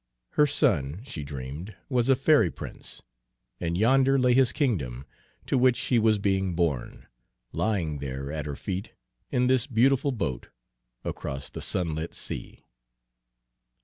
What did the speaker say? Her son, she dreamed, was a fairy prince, and yonder lay his kingdom, to which he was being borne, lying there at her feet, in this beautiful boat, across the sunlit sea.